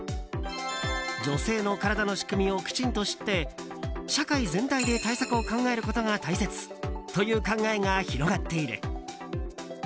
女性の体の仕組みをきちんと知って社会全体で対策を考えることが大切という考えが広がっている。